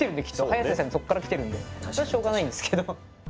ハヤセさんそこからきてるんでそれはしょうがないんですけど。